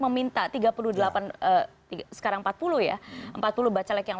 meminta tiga puluh delapan sekarang empat puluh ya empat puluh bacalek yang